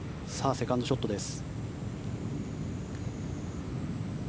セカンドショットです。